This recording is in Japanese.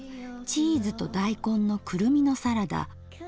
「チーズと大根のクルミのサラダ」。